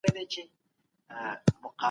که په سکرین کې رڼا کمه وي.